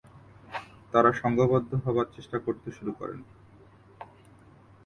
তাঁরা সংঘবদ্ধ হবার চেষ্টা করতে শুরু করেন।